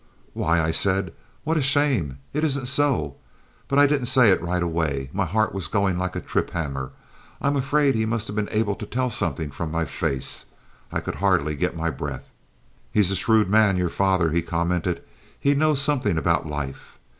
"Why, I said: 'What a shame! It isn't so!' But I didn't say it right away. My heart was going like a trip hammer. I'm afraid he must have been able to tell something from my face. I could hardly get my breath." "He's a shrewd man, your father," he commented. "He knows something about life.